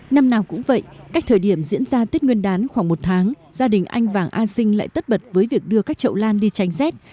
năm nào cũng vậy cách thời điểm diễn ra tết nguyên đán khoảng một tháng gia đình anh vàng a sinh lại tất bật với việc đưa các chậu lan đi tranh rét